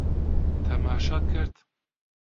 تەماشات کرد؟